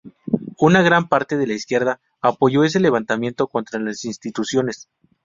Una gran parte de la izquierda apoyó ese levantamiento contra las instituciones.